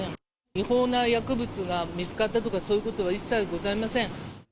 違法な薬物が見つかったとかそういうことは一切ございません。